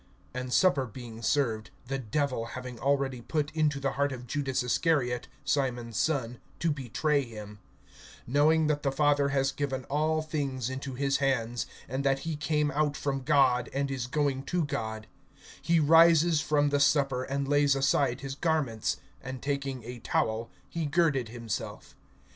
(2)And supper being served, the Devil having already put into the heart of Judas Iscariot, Simon's son, to betray him; (3)knowing that the Father has given all things into his hands, and that he came out from God, and is going to God, (4)he rises from the supper, and lays aside his garments, and taking a towel he girded himself.